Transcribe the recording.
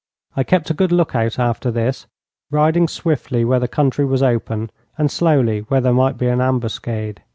I kept a good look out after this, riding swiftly where the country was open, and slowly where there might be an ambuscade.